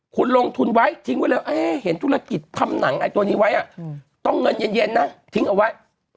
คุณลงทุนไว้ทิ้งไว้เลยเห็นธุรกิจทำหนังไอ้ตัวนี้ไว้ต้องเงินเย็นนะทิ้งเอาไว้